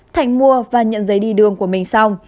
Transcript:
thành mua và nhận giấy đi đường của mình xong